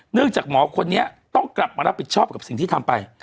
จากหมอคนนี้ต้องกลับมารับผิดชอบกับสิ่งที่ทำไป